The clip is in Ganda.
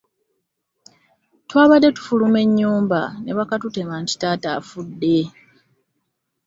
Twabadde tufuluma ennyumba nebakatutema nti taata afudde.